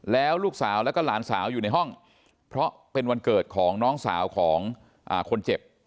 แล้วลูกสาวแล้วก็หลานสาวอยู่ในห้องเพราะเป็นวันเกิดของน้องสาวของคนเจ็บ